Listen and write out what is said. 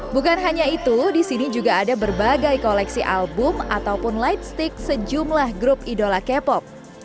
bukan hanya itu di sini juga ada berbagai koleksi album ataupun lightstick sejumlah grup idola k pop